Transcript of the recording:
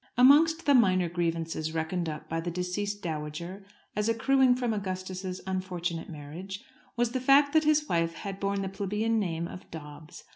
Amongst the minor grievances reckoned up by the deceased dowager as accruing from Augustus's unfortunate marriage was the fact that his wife had borne the plebeian name of Dobbs.